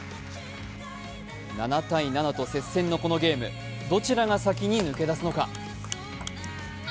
７−７と接戦のこのゲーム、どちらが先に抜け出すのか。